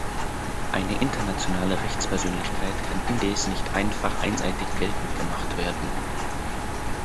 Eine internationale Rechtspersönlichkeit kann indes nicht einfach einseitig geltend gemacht werden.